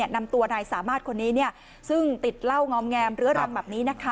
นำตัวนายสามารถคนนี้ซึ่งติดเหล้างอมแงมเรื้อรังแบบนี้นะคะ